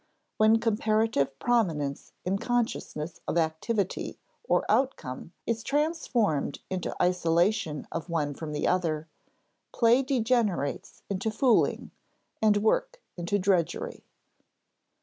When comparative prominence in consciousness of activity or outcome is transformed into isolation of one from the other, play degenerates into fooling, and work into drudgery.